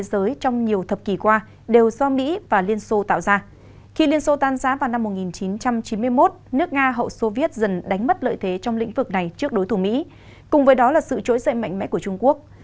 cùng với đó là sự trỗi dậy mạnh mẽ của trung quốc